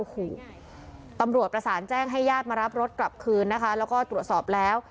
ปำบรวจผสานแจ้งให้ญาติมารับรถกลับคืนแล้วก็ตรวจสอบแล้ว